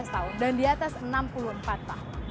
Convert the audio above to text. lima belas tahun dan di atas enam puluh empat tahun